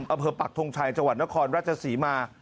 อำเภอปักทงชัยจังหวัดนครราชศรีมา